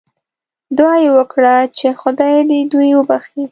دعا یې وکړه چې خدای دې دوی وبخښي.